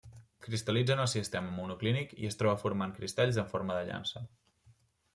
Cristal·litza en el sistema monoclínic, i es troba formant cristalls en forma de llança.